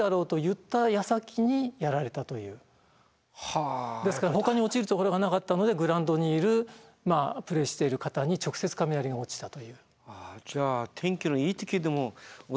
で注意してですからほかに落ちるところがなかったのでグラウンドにいるプレーしている方に直接雷が落ちたという。